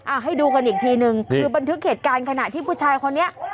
ให้ดูกันอีกทีนึงคือบันทึกเหตุการณ์ขณะที่ผู้ชายคนนี้